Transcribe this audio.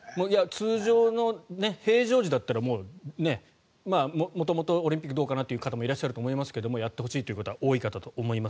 通常の平常時だったら元々、オリンピックどうかなという方もいらっしゃると思いますがやってほしいという方は多いかと思います。